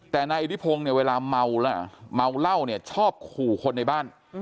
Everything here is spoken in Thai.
แต่นายอิทธิพงศ์เนี่ยเวลาเมาแล้วเมาเหล้าเนี่ยชอบขู่คนในบ้าน